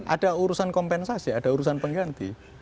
ada urusan kompensasi ada urusan pengganti